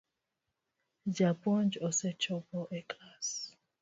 Japuonj osechopo e klass